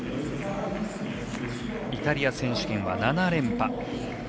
イタリア選手権は７連覇。